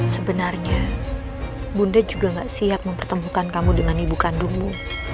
sebenarnya bunda juga gak siap mempertemukan kamu dengan ibu kandungmu